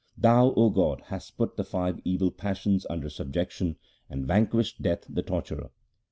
Thou, O God, hast put the five evil passions under sub jection, and vanquished Death the torturer.